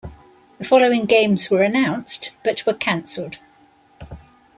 The following games were announced, but were cancelled.